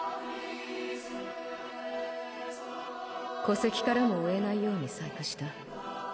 戸籍からも追えないように細工した。